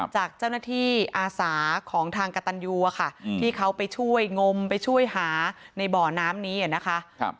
จากเจ้าหน้าที่อาสาของทางกระตันยูอะค่ะที่เขาไปช่วยงมไปช่วยหาในบ่อน้ำนี้นะคะ